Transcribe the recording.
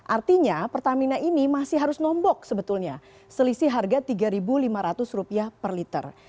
artinya pertamina ini masih harus nombok sebetulnya selisih harga rp tiga lima ratus per liter